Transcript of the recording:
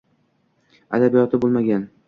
Adabiyoti boʻlmagan